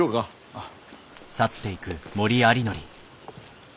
あっ。